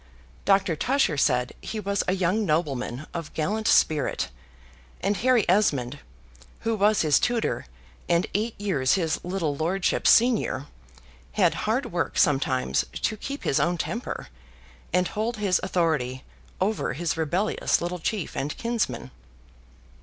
Doctor Tusher said he was a young nobleman of gallant spirit; and Harry Esmond, who was his tutor, and eight years his little lordship's senior, had hard work sometimes to keep his own temper, and hold his authority over his rebellious little chief and kinsman.